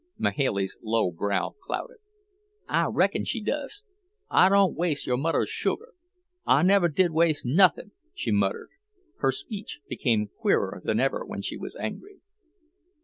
Mahailey's low brow clouded. "I reckon she does. I don't wase your mudder's sugar. I never did wase nothin'," she muttered. Her speech became queerer than ever when she was angry.